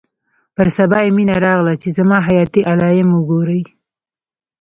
پر سبا يې مينه راغله چې زما حياتي علايم وګوري.